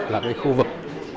là một khu vực